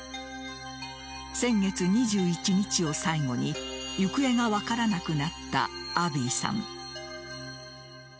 先月２１日を最後に行方が分からなくなったアビーさん。